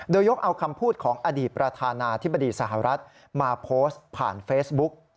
โดยยกเอาคำพูดของอดีตประธานาธิบดีสหรัฐมาโพสต์ผ่านเฟซบุ๊ก